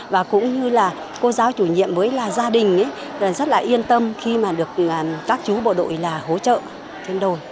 và cũng như là cô giáo chủ nhiệm với là gia đình rất là yên tâm khi mà được các chú bộ đội là hỗ trợ trên đồi